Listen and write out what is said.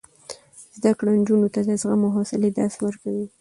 زده کړه نجونو ته د زغم او حوصلې درس ورکوي.